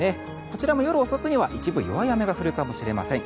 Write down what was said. こちらも夜遅くには一部弱い雨が降るかもしれません。